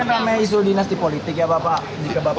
itu kan namanya isu dinasti politik ya bapak